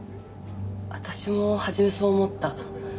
私も初めそう思った。